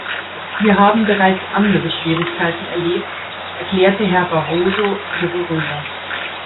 Wir haben bereits andere Schwierigkeiten erlebt, erklärte Herr Barroso zur Beruhigung.